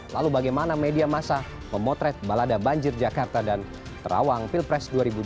lalu bagaimana media masa memotret balada banjir jakarta dan terawang pilpres dua ribu dua puluh